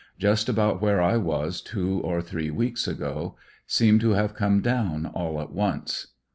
Just about where I was two or three weeks ago. Seem to have come down all at once.